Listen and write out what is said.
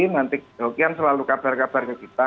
nanti hoki akan selalu kabar kabar ke kita